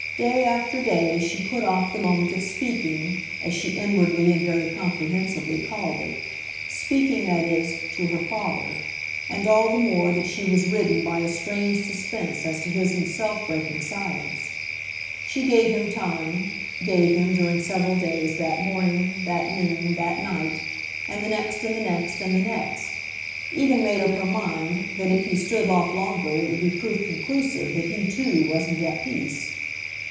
Day after day she put off the moment of "speaking," as she inwardly and very comprehensively, called it speaking, that is, to her father; and all the more that she was ridden by a strange suspense as to his himself breaking silence. She gave him time, gave him, during several days, that morning, that noon, that night, and the next and the next and the next; even made up her mind that if he stood off longer it would be proof conclusive that he too wasn't at peace.